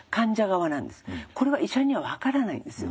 これは医者には分からないんですよ。